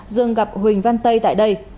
dương gặp huỳnh văn tây tại đây